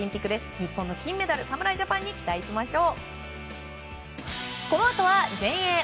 日本の金メダル侍ジャパンに期待しましょう。